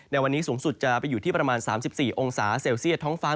ในวันนี้สูงสุดจะไปอยู่ที่ประมาณ๓๔องศาเซลเซียตท้องฟ้า